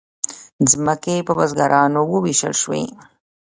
ځمکې په بزګرانو وویشل شوې.